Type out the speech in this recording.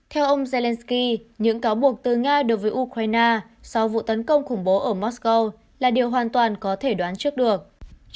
theo ông zelensky những cáo buộc từ nga đối với ukraine sau vụ tấn công khủng bố ở mosco là điều hoàn toàn có thể đoán trước được